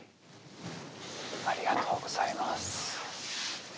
ありがとうございます。